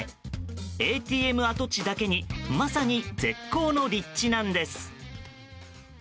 ＡＴＭ跡地だけにまさに絶好の立地なんです。